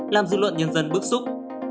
làm dư luận nhân dân bức xúc